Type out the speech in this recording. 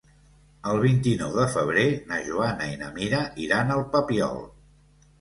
El vint-i-nou de febrer na Joana i na Mira iran al Papiol.